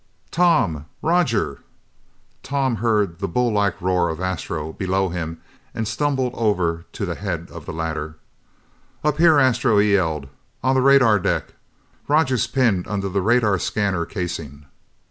"Tom! Roger!" Tom heard the bull like roar of Astro below him and stumbled over to the head of the ladder. "Up here, Astro," he yelled, "on the radar deck. Roger's pinned under the radar scanner casing!"